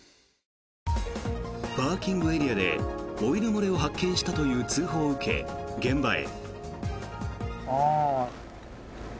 パーキングエリアでオイル漏れを発見したという通報を受け、現場へ。